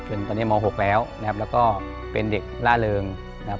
ตอนนี้ม๖แล้วนะครับแล้วก็เป็นเด็กล่าเริงนะครับ